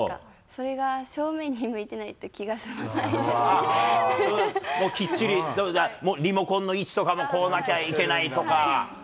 それが正面に向いてないと気が済もうきっちり、じゃあもうリモコンの位置とかもこうなきゃいけないとか。